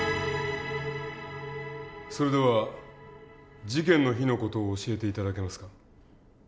それでは事件の日の事を教えて頂けますか？